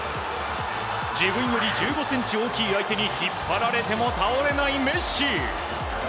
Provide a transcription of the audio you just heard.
自分より１５ｃｍも大きい相手に引っ張られても倒れないメッシ。